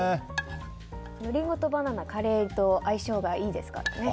リンゴとバナナはカレーと相性がいいですからね。